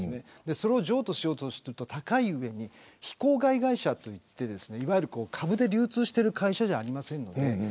それを譲渡しようとすると高い上に、非公開会社といっていわゆる株で流通している会社じゃありませんから。